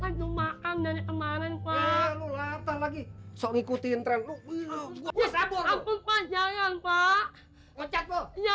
mau makan dari kemarin pak lagi ngikutin tren lu abu abu pak jangan pak ngoncat ya